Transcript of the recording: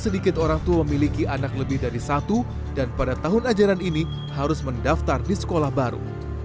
dikoneksi di sekolah baru